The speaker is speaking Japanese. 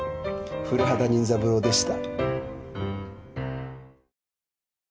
古畑任三郎でした。